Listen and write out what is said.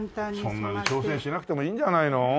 そんなに挑戦しなくてもいいんじゃないの？